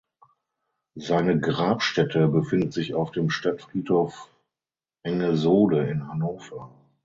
Seine Grabstätte befindet sich auf dem Stadtfriedhof Engesohde in Hannover.